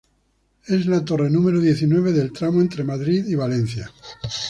Es la torre número diecinueve del tramo entre Madrid y Valencia.